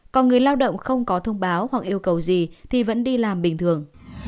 còn người lao động không có thông báo hoặc yêu cầu gì thì vẫn đi làm bình thường